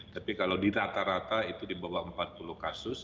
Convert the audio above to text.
tapi kalau di rata rata itu di bawah empat puluh kasus